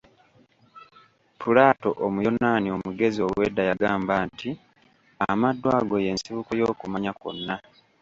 Plato Omuyonaani omugezi ow'edda yagamba nti: "Amaddu ago ye nsibuko y'okumanya kwonna."